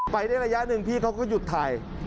ไปได้ระยะหนึ่งพี่เขาก็หยุดถ่าย